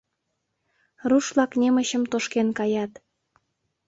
Руш-влак немычым тошкен каят.